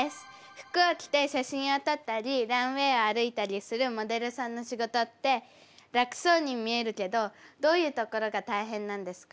服を着て写真を撮ったりランウェイを歩いたりするモデルさんの仕事って楽そうに見えるけどどういうところが大変なんですか？